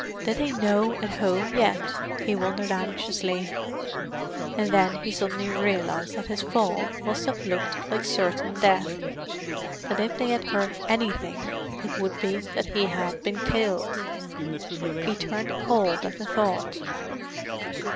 Did they know at home yet? he wondered anxiously. And then he suddenly realized that his fall must have looked like certain death: that if they had heard anything it would be that he had been killed. He turned cold at the thought.